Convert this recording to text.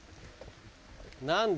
何だ？